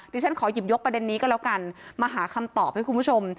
ฉันขอหยิบยกประเด็นนี้ก็แล้วกันมาหาคำตอบให้คุณผู้ชม